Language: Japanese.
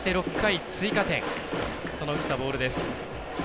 追加点、打ったボールです。